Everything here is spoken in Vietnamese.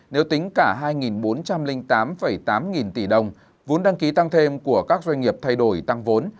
nếu tính cả hai bốn trăm linh tám tám nghìn tỷ đồng vốn đăng ký tăng thêm của các doanh nghiệp thay đổi tăng vốn